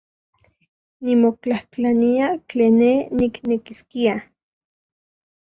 Nimotlajtlania tlen ne niknekiskia.